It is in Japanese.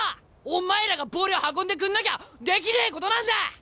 お前らがボール運んでくんなきゃできねえことなんだ！